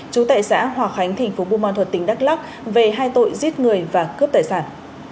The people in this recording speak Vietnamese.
chú tại xã hòa khánh tp bù mon thuật tỉnh đắk lắc về hai tội giết người và cướp tài sản